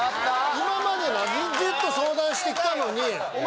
今までなずっと相談してきたのにお前